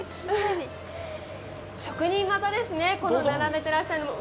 職人技ですね、この並べてらっしゃるのも。